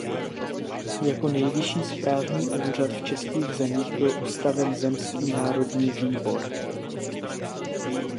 Jako nejvyšší správní úřad v českých zemích byl ustaven Zemský národní výbor.